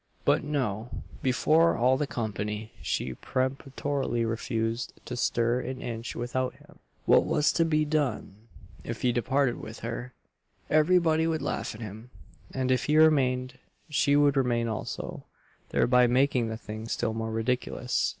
But no before all the company she peremptorily refused to stir an inch without him! What was to be done? If he departed with her, every body would laugh at him; and if he remained, she would remain also; thereby making the thing still more ridiculous.